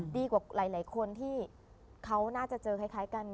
ดีกว่าหลายคนที่เขาน่าจะเจอคล้ายกัน